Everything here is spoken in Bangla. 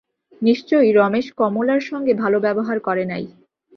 নিশ্চয়ই রমেশ কমলার সঙ্গে ভালো ব্যবহার করে নাই।